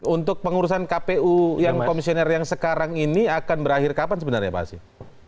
untuk pengurusan kpu yang komisioner yang sekarang ini akan berakhir kapan sebenarnya pak asi